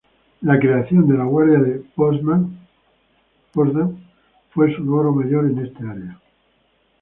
La creación de la Guardia de Potsdam fue su logro mayor en esta área.